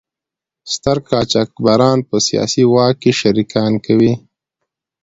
ستر قاچاقبران په سیاسي واک کې شریکان کوي.